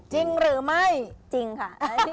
เจอไหมจริงค่ะ